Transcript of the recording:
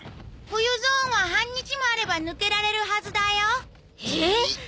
冬ゾーンは半日もあれば抜けられるはずだよえっ！？